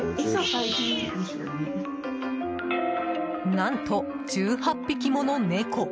何と、１８匹もの猫。